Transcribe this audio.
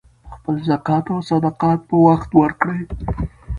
خپل زکات او صدقات په وخت ورکړئ.